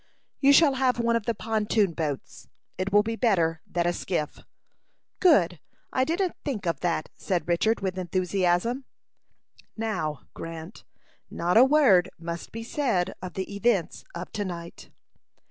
"You shall have one of the pontoon boats. It will be better than a skiff." "Good! I didn't think of that," said Richard, with enthusiasm. "Now, Grant, not a word must be said of the events of to night."